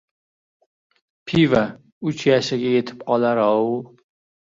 Pivo — uch yashigi yetib qolar-ov...